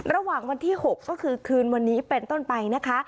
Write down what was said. ระหว่างวันที่๖ก็คือคืนวันนี้เป็นต้นไปนะคะ